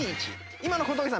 今の小峠さん